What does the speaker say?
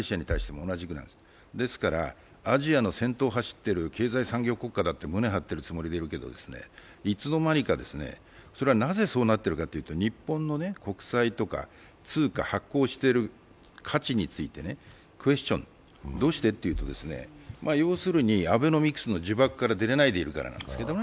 ですからアジアの先頭を走ってる経済産業効果だと胸を張っていますが、いつの間にか、それはなぜそうなっているかというと日本の国債とか、通貨、発行している価値についてクエスチョン、どうしていうと要するにアベノミクスの呪縛から出れないでいるんです。